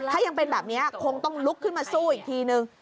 ถ้ายังเป็นแบบนี้คงต้องลุกขึ้นมาสู้อีกทีนึง